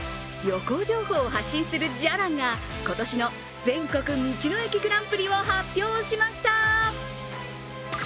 旅行情報を発信するじゃらんが今年の全国道の駅グランプリを発表しました。